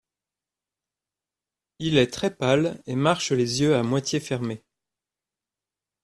Il est très pâle et marche les yeux à moitié fermés.